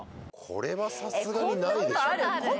これはさすがにないでしょ。